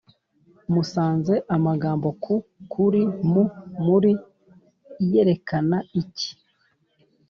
Musanze amagambo ku, kuri, mu, muri, i yerekana iki?